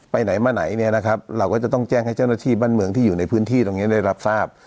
ไปไหนมาไหนเนี่ยนะครับเราก็จะต้องแจ้งให้เจ้าหน้าที่บ้านเมืองที่อยู่ในพื้นที่ตรงนี้ได้รับทราบ